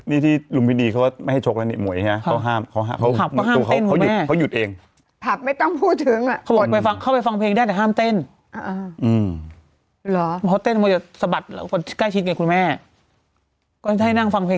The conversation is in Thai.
ที่ที่ลุงพิธีเขาไม่ให้ชกแล้วเนี่ยเหมือนเหมือนเหมือนอย่าง